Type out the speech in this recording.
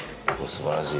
素晴らしい。